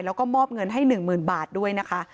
แล้วก็มอบเงินให้หนึ่งหมื่นบาทด้วยนะคะ